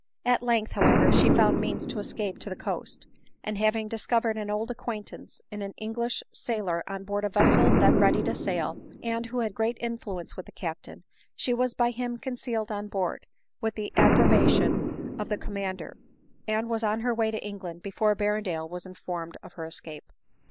At length, however, she found means to escape to the coast ; and having discovered an old acquaintance in an English sailor on board a vessel then ready to sail, and who had great influence with the captain, she was by him concealed on board, with the approbation of the com mander, and was on her way to England before Berren dale was informed of her escape.